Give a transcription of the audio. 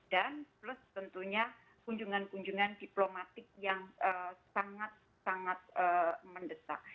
dan plus tentunya kunjungan kunjungan diplomatik yang sangat sangat mendesak